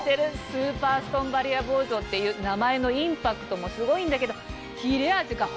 スーパーストーンバリア包丁っていう名前のインパクトもすごいんだけど。